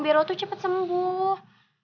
biar lo tuh cepet sembuh